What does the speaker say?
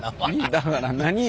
だから何よ？